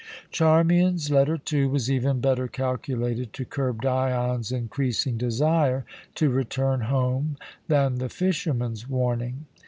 Charmian's letter, too, was even better calculated to curb Dion's increasing desire to return home than the fisherman's warning.